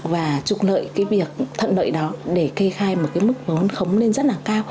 và trục lợi cái việc thận lợi đó để kê khai một cái mức vốn khống lên rất là cao